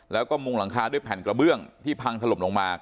แล้วก็มุงหลังคาด้วยแผ่นกระเบื้องที่พังถล่มลงมา